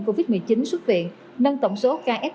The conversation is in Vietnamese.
covid một mươi chín xuất viện nâng tổng số kfw